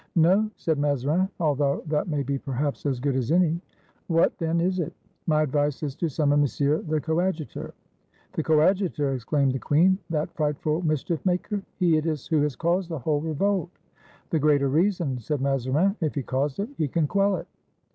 "No," said Mazarin; "although that may be perhaps as good as any," "What, then, is it?" "My advice is to summon Monsieur the Coadjutor." "The Coadjutor!" exclaimed the queen, "that fright ful mischief maker! He it is who has caused the whole revolt." "The greater reason," said Mazarin; "if he caused it, he can quell it."